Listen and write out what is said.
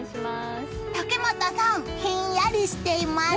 竹俣さん、ひんやりしています。